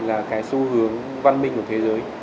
là cái xu hướng văn minh của thế giới